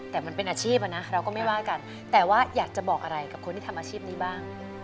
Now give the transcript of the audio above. แต่มันเป็นอาชีพอ่ะนะเราก็ไม่ว่ากันแต่ว่าอยากจะบอกอะไรกับคนที่ทำอาชีพนี้บ้าง